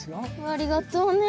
ありがとうね